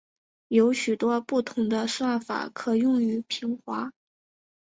有许多不同的算法可用于平滑。